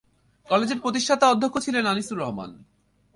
কলেজের প্রতিষ্ঠাতা অধ্যক্ষ ছিলেন আনিসুর রহমান।